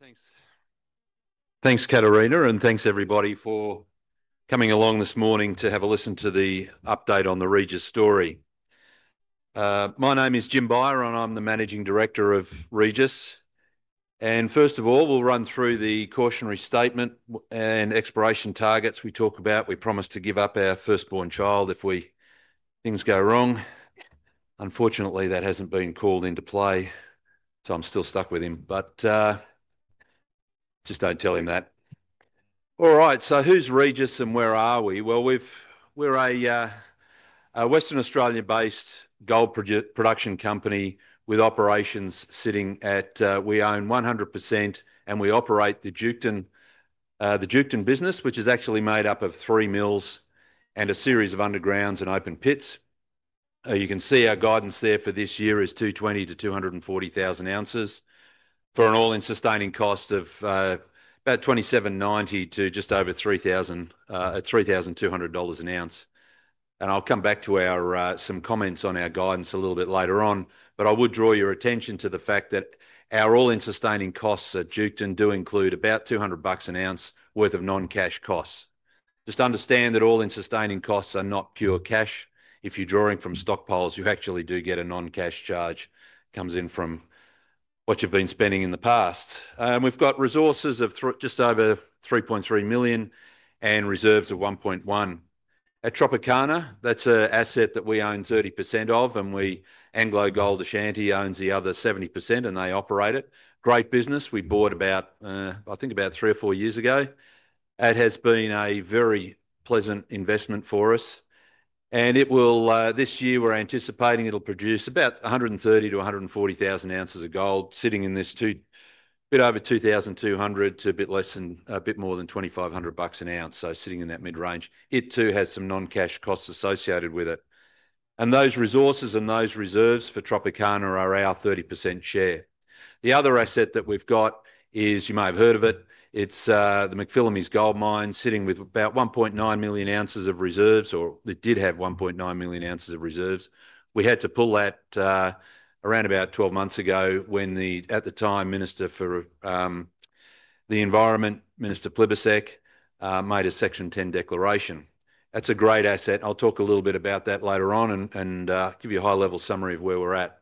Thanks. Thanks Katarina. Thanks everybody for coming along this morning to have a listen to the update on the Regis story. My name is Jim Beyer. I'm the Managing Director of Regis and first of all we'll run through the cautionary statement and exploration targets we talk about. We promise to give up our firstborn child if things go wrong. Unfortunately that hasn't been called into play. I'm still stuck with him. Just don't tell him that. All right, who's Regis and where are we? We're a Western Australia based gold production company with operations sitting at. We own 100% and we operate the Duketon business which is actually made up of three mills and a series of underground and open pit mines. You can see our guidance there for this year is 220,000 to 240,000 ounces for an all-in sustaining cost of about $2,790 to just over $3,000 at $3,200 an ounce. I'll come back to some comments on our guidance a little bit later on. I would draw your attention to the fact that our all-in sustaining costs at Duketon do include about $200 an ounce worth of non-cash costs. Just understand that all-in sustaining costs are not pure cash. If you're drawing from stockpiles you actually do get a non-cash charge that comes in from what you've been spending in the past. We've got resources of just over 3.3 million and reserves of 1.1 at Tropicana. That's an asset that we own 30% of and AngloGold Ashanti owns the other 70% and they operate it. Great business. We bought about, I think, about three or four years ago. It has been a very pleasant investment for us and it will this year. We're anticipating it'll produce about 130,000 to 140,000 ounces of gold sitting in this bit over $2,200 to a bit more than $2,500 an ounce. Sitting in that mid range, it too has some non-cash costs associated with it. Those resources and those reserves for Tropicana are our 30% share. The other asset that we've got is, you may have heard of it, it's the McPhillamys Gold Project sitting with about 1.9 million ounces of reserves or it did have 1.9 million ounces of reserves. We had to pull that around about 12 months ago when at the time Minister for the Environment, Minister Plibersek, made a Section 10 declaration. That's a great asset. I'll talk a little bit about that later on and give you a high level summary of where we're at.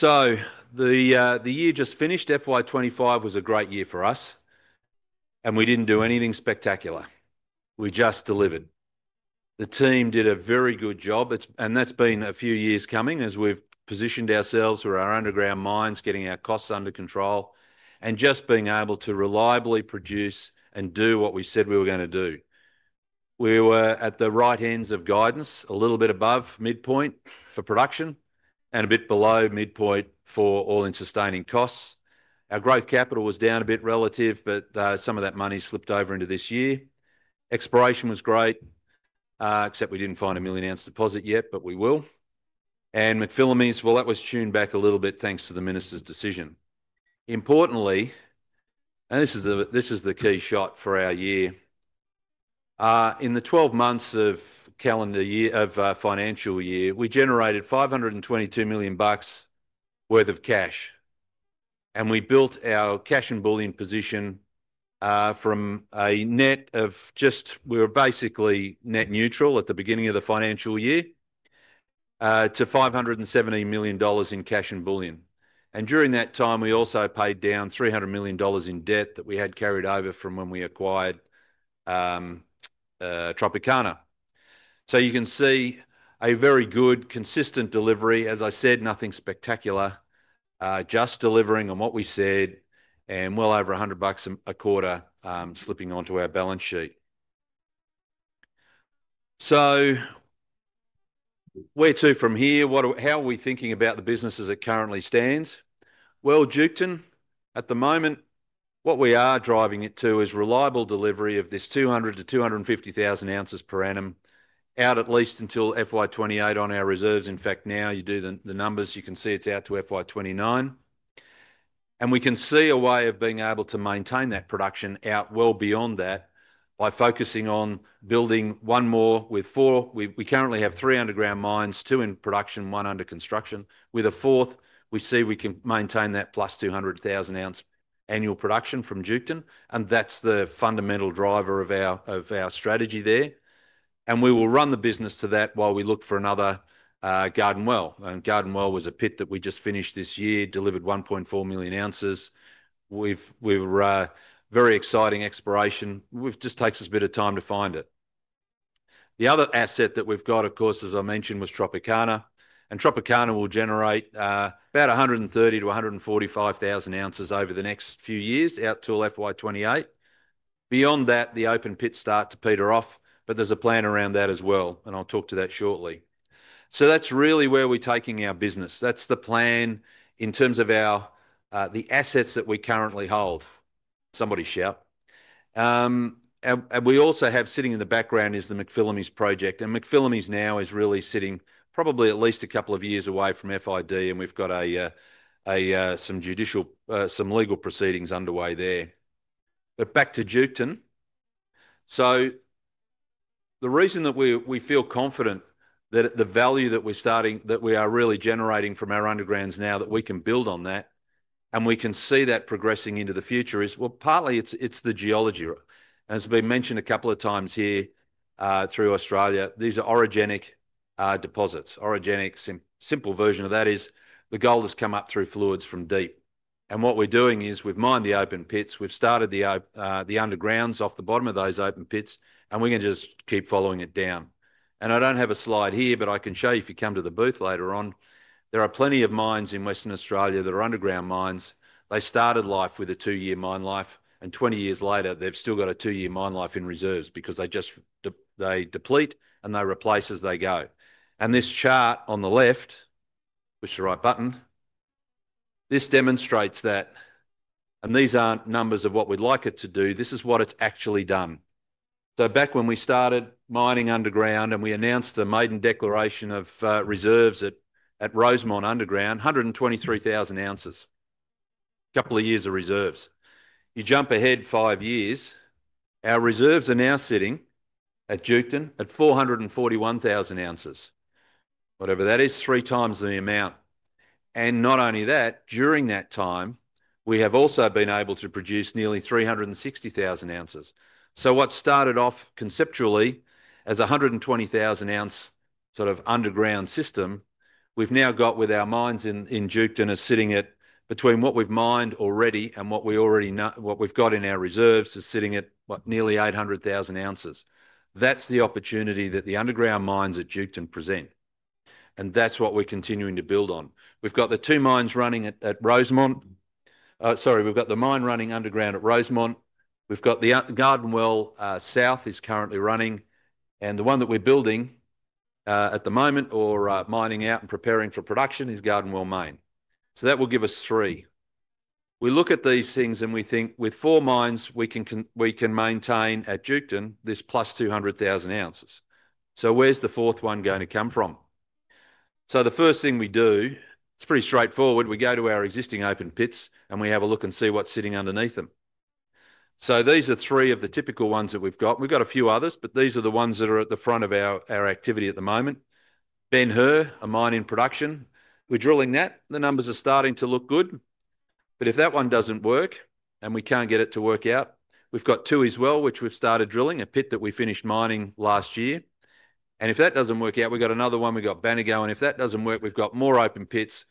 The year just finished, FY25, was a great year for us and we didn't do anything spectacular. We just delivered. The team did a very good job. It's and that's been a few years coming as we've positioned ourselves through our underground mines, getting our costs under control and just being able to reliably produce and do what we said we were going to do. We were at the right hands of guidance, a little bit above midpoint for production and a bit below midpoint for all-in sustaining costs. Our growth capital was down a bit relative, but some of that money slipped over into this year. Exploration was great except we didn't find a million ounce deposit yet, but we will, and McPhillamys, well, that was tuned back a little bit thanks to the Minister's decision. Importantly, and this is the key shot for our year, in the 12 months of calendar year of financial year, we generated $522 million worth of cash. We built our cash and bullion position from a net of just, we were basically net neutral at the beginning of the financial year to $570 million in cash and bullion. During that time, we also paid down $300 million in debt that we had carried over from when we acquired Tropicana. You can see a very good consistent delivery. Nothing spectacular, just delivering on what we said and well over $100 million a quarter slipping onto our balance sheet. Where to from here? How are we thinking about the business as it currently stands? Duketon at the moment, what we are driving it to is reliable delivery of this 200,000 to 250,000 ounces per annum out at least until FY28 on our reserves. In fact, now you do the numbers, you can see it's out to FY29, and we can see a way of being able to maintain that production out well beyond that by focusing on building one more with four. We currently have three underground mines, two in production, one under construction, with a fourth we see we can maintain that plus 200,000 ounce annual production from Duketon, and that's the fundamental driver of our strategy. We will run the business to that while we look for another Garden Well. Garden Well was a pit that we just finished this year, delivered 1.4 million ounces. We've very exciting exploration, which just takes us a bit of time to find it. The other asset that we've got, of course, as I mentioned, was Tropicana. Tropicana will generate about 130,000 to 145,000 ounces over the next few years, out to FY28. Beyond that, the open pit starts to peter off. There's a plan around that as well, and I'll talk to that shortly. That's really where we're taking our business. That's the plan in terms of the assets that we currently hold. We also have sitting in the background the McPhillamys Gold Project. McPhillamys now is really sitting probably at least a couple of years away from final investment decision and we've got some judicial, some legal proceedings underway there. Back to Duketon. The reason that we feel confident that the value that we're starting, that we are really generating from our undergrounds now, that we can build on that and we can see that progressing into the future, is partly it's the geology as has been mentioned a couple of times here through Australia. These are orogenic deposits, orogenic systems. Simple version of that is the gold has come up through fluids from deep. What we're doing is we've mined the open pits, we've started the undergrounds off the bottom of those open pits, and we can just keep following it down. I don't have a slide here but I can show you if you come to the booth later on. There are plenty of mines in Western Australia that are underground mines. They started life with a two-year mine life and 20 years later they've still got a two-year mine life in reserves because they just deplete and they replace as they go. This chart on the left, push the right button, this demonstrates that. These aren't numbers of what we'd like it to do. This is what it's actually done. Back when we started mining underground and we announced the maiden declaration of reserves at Rosemont underground, 123,000 ounces, couple of years of reserves. You jump ahead five years. Our reserves are now sitting at Duketon at 441,000 ounces, whatever that is, three times the amount. Not only that, during that time we have also been able to produce nearly 360,000 ounces. What started off conceptually as a 120,000 ounce sort of underground system, we've now got with our mines in Duketon, are sitting at between what we've mined already and what we already know, what we've got in our reserves is sitting at nearly 800,000 ounces. That's the opportunity that the underground mines at Duketon present and that's what we're continuing to build on. We've got the mine running underground at Rosemont. We've got the Garden Well South is currently running and the one that we're building at the moment or mining out and preparing for production is Garden Well Main, so that will give us three. We look at these things and we think with four mines we can maintain at Duketon this plus 200,000 ounces. Where's the fourth one going to come from? The first thing we do, it's pretty straightforward. We go to our existing open pits and we have a look and see what's sitting underneath them. These are three of the typical ones that we've got. We've got a few others, but these are the ones that are at the front of our activity at the moment. Ben Hur, a mine in production, we're drilling that, the numbers are starting to look good. If that one doesn't work and we can't get it to work out, we've got two as well, which we've started drilling, a pit that we finished mining last year, and if that doesn't work out, we've got another one. We've got Bennego, and if that doesn't work, we've got more open pits.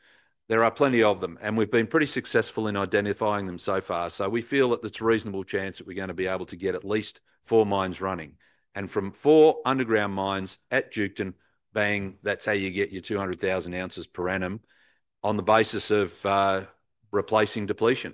There are plenty of them and we've been pretty successful in identifying them so far. We feel that it's a reasonable chance that we're going to be able to get at least four mines running, and from four underground mines at Duketon, being that's how you get your 200,000 ounces per annum on the basis of replacing depletion.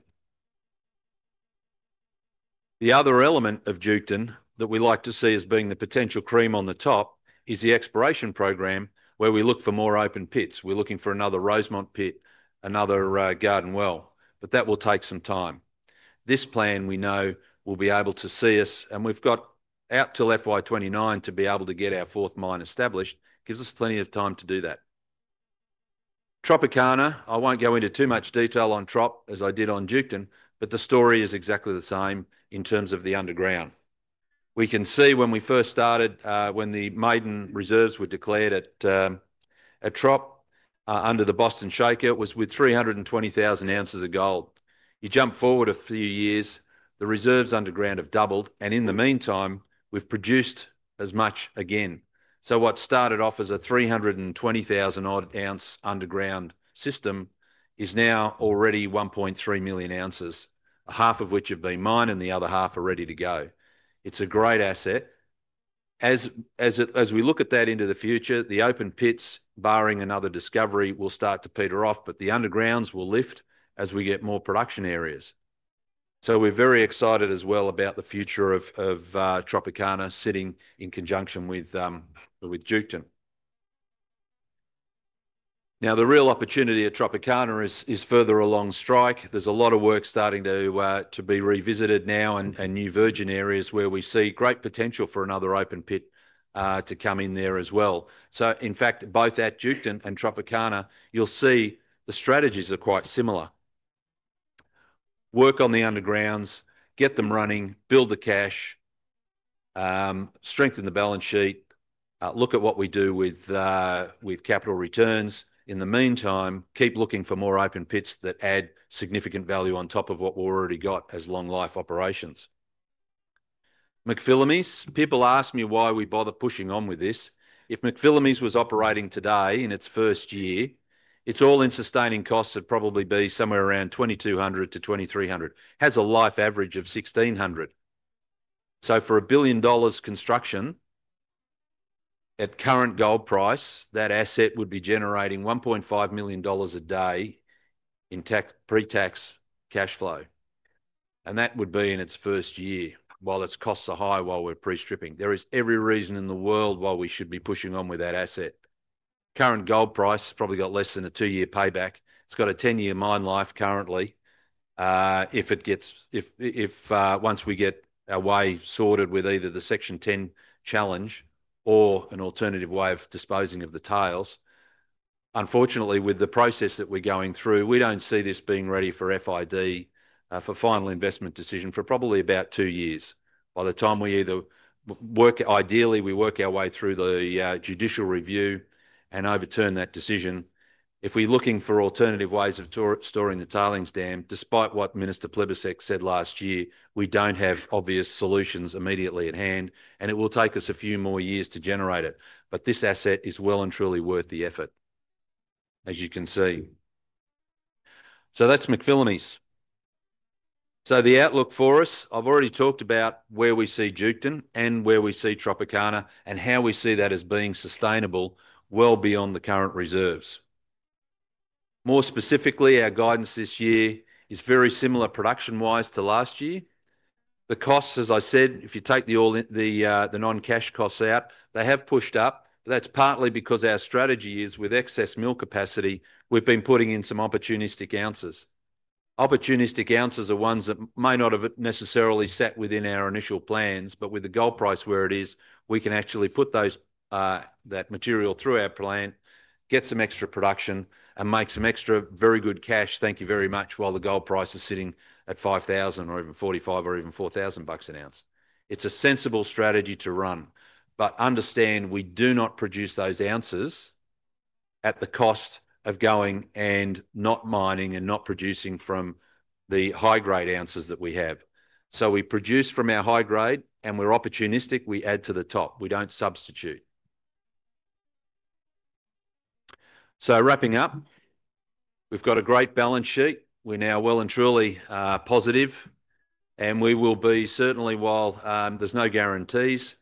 The other element of Duketon that we like to see as being the potential cream on the top is the exploration program where we look for more open pits. We're looking for another Rosemont pit, another Garden Well, but that will take some time. This plan we know will be able to see us and we've got out till FY2029 to be able to get our fourth mine established. Gives us plenty of time to do that. Tropicana, I won't go into too much detail on Tropicana as I did on Duketon. The story is exactly the same in terms of the underground. We can see when we first started, when the maiden reserves were declared at Tropicana under the Boston Shaker, it was with 320,000 ounces of gold. You jump forward a few years, the reserves underground have doubled and in the meantime we've produced as much again. What started off as a 320,000-odd ounce underground system is now already 1.3 million ounces, half of which have been mined and the other half are ready to go. It's a great asset as we look at that into the future. The open pits, barring another discovery, will start to peter off. The undergrounds will lift as we get more production areas. We're very excited as well about the future of Tropicana sitting in conjunction with Duketon. The real opportunity at Tropicana is further along strike. There's a lot of work starting to be revisited now and new virgin areas where we see great potential for another open pit to come in there as well. In fact, both at Duketon and Tropicana you'll see the strategies are quite similar. Work on the undergrounds, get them running, build the cash, strengthen the balance sheet, look at what we do with capital returns. In the meantime, keep looking for more open pits that add significant value on top of what we already got as long life operations. McPhillamys. People ask me why we bother pushing on with this. If McPhillamys was operating today in its first year, its all-in sustaining costs would probably be somewhere around $2,200 to $2,300. It has a life average of $1,600. For $1 billion construction at current gold price, that asset would be generating $1.5 million a day in pre-tax cash flow and that would be in its first year while its costs are high, while we're pre-stripping. There is every reason in the world why we should be pushing on with that asset. Current gold price probably got less than a two-year payback. It's got a ten-year mine life currently if, once we get our way sorted with either the Section 10 challenge or an alternative way of disposing of the tails. Unfortunately, with the process that we're going through, we don't see this being ready for final investment decision for probably about two years. By the time we either work, ideally we work our way through the judicial review and overturn that decision, or we're looking for alternative ways of storing the tailings dam. Despite what Minister Plibersek said last year, we don't have obvious solutions immediately at hand and it will take us a few more years to generate it. This asset is well and truly worth the effort as you can see. That's McPhillamys. The outlook for us. I've already talked about where we see Duketon and where we see Tropicana and how we see that as being sustainable well beyond the current reserves. More specifically, our guidance this year is very similar production-wise to last year. The costs, as I said, if you take all the non-cash costs out, they have pushed up. That's partly because our strategy is with excess mill capacity we've been putting in some opportunistic ounces. Opportunistic ounces are ones that may not have necessarily set within our initial plans, but with the gold price where it is, we can actually put that material through our plant, get some extra production, and make some extra very good cash. Thank you very much. While the gold price is sitting at $5,000 or even $4,500 or even $4,000 an ounce, it's a sensible strategy to run. Understand we do not produce those ounces at the cost of going and not mining and not producing from the high-grade ounces that we have. We produce from our high grade, and we're opportunistic. We add to the top, we don't substitute. Wrapping up, we've got a great balance sheet. We're now well and truly positive, and we will be. Certainly, while there's no guarantees,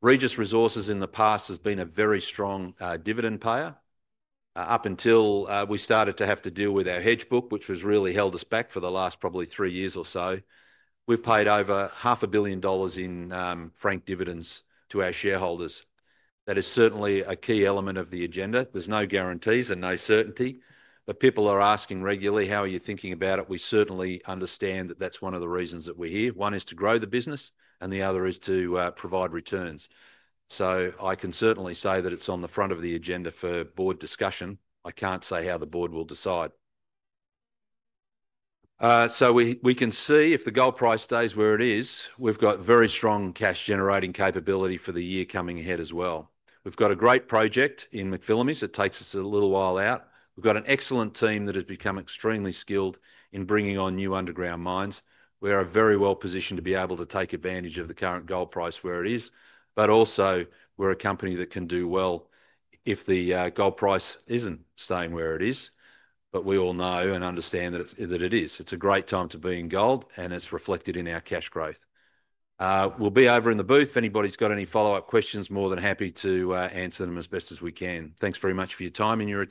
Regis Resources in the past has been a very strong dividend payer up until we started to have to deal with our hedge book, which has really held us back for the last probably three years or so. We've paid over half a billion dollars in franked dividends to our shareholders. That is certainly a key element of the agenda. There's no guarantees and no certainty, but people are asking regularly how are you thinking about it? We certainly understand that that's one of the reasons that we're here. One is to grow the business, and the other is to provide returns. I can certainly say that it's on the front of the agenda for board discussion. I can't say how the board will decide. We can see if the gold price stays where it is. We've got very strong cash generating capability for the year coming ahead as well. We've got a great project in McPhillamys. It takes us a little while out. We've got an excellent team that has become extremely skilled in bringing on new underground mines. We are very well positioned to be able to take advantage of the current gold price where it is, but also we're a company that can do well if the gold price isn't staying where it is. We all know and understand that it is. It's a great time to be in gold, and it's reflected in our cash growth. We'll be over in the booth if anybody's got any follow-up questions. More than happy to answer them as best as we can. Thanks very much for your time and your attention.